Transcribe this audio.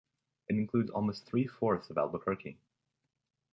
It includes almost three-fourths of Albuquerque.